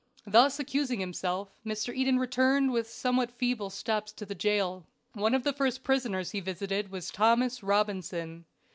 Thus accusing himself Mr. Eden returned with somewhat feeble steps to the jail. One of the first prisoners he visited was Thomas Robinson.